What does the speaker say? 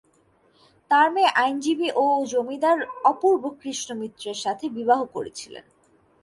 তার মেয়ে আইনজীবী ও জমিদার অপূর্ব কৃষ্ণ মিত্রের সাথে বিবাহ করেছিলেন।